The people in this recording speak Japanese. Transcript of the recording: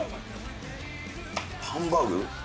ハンバーグ？